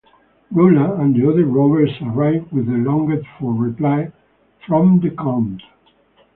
Rolla and the other robbers arrive with the longed-for reply from the Count.